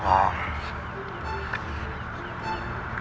apa aku takut banget